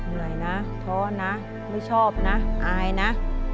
เหนื่อยนะท้อนะไม่ชอบนะอายนะ